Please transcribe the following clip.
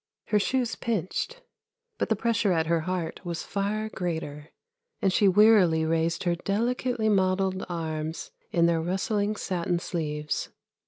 Her shoes pinched, but the pressure at her heart was far greater, and she wearily raised her delicately modelled arms in their rustling satin sleeves.